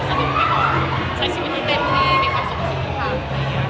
สนุกไปก่อนใช้ชีวิตในเต้นที่มีความสุขสุขกับการอุบัติการ